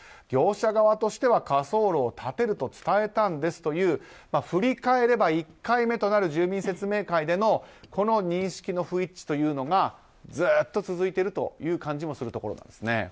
業者側としては火葬炉を建てると伝えたんですと振り返れば、１回目となる住民説明会での認識の不一致というのがずっと続いているという感じがするところです。